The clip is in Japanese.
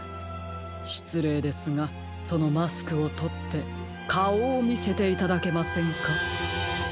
しつれいですがそのマスクをとってかおをみせていただけませんか？